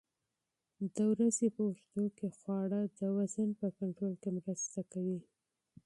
د ورځې په اوږدو کې خواړه د وزن په کنټرول کې مرسته کوي.